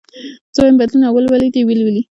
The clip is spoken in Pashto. زه وايم بدلون او ولولې دي وي